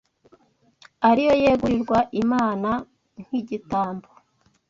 ari yo yegurirwa Imana nk’igitambo,